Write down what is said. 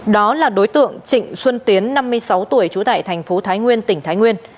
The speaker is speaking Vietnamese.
đó là đối tượng trịnh xuân tiến năm mươi sáu tuổi trú tại thành phố thái nguyên tỉnh thái nguyên